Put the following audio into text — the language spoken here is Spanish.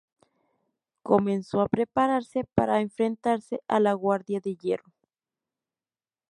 Comenzó a prepararse para enfrentarse a la Guardia de Hierro.